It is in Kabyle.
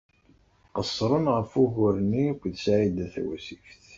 Qeṣṣren ɣef wugur-nni akked Saɛida Tawasift.